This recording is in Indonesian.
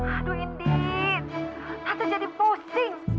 aduh indi tante jadi pusing